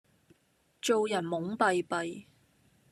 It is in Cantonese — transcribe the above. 做人懵閉閉